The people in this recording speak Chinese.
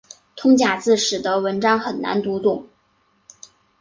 通假字使得文章很难读懂。